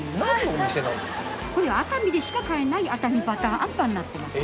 これ熱海でしか買えない熱海ばたーあんぱんになってます。